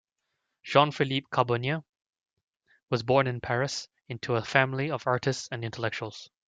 Jean-Philippe Charbonnier was born in Paris into a family of artists and intellectuals.